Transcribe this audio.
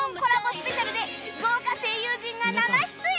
スペシャルで豪華声優陣が生出演！